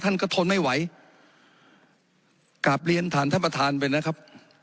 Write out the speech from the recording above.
ท่านก็ทนไม่ไหวกลับเรียนผ่านท่านประธานไปนะครับ